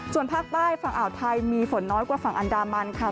ส่วนภาคใต้ฝั่งอ่าวไทยมีฝนน้อยกว่าฝั่งอันดามันค่ะ